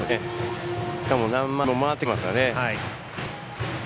しかも何回りも回ってきてますからね。